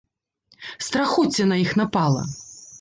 Страхоцце на іх напала.